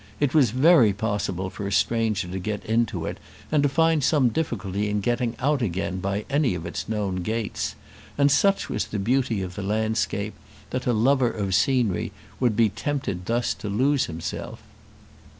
It was very possible for a stranger to get into it and to find some difficulty in getting out again by any of its known gates; and such was the beauty of the landscape, that a lover of scenery would be tempted thus to lose himself.